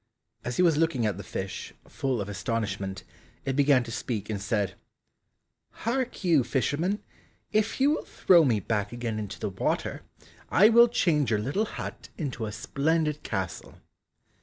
As he was looking at the fish, full of astonishment, it began to speak and said, "Hark you, fisherman, if you will throw me back again into the water, I will change your little hut into a splendid castle."